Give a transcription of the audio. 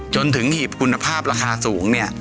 หีบคุณภาพราคาสูงเนี่ย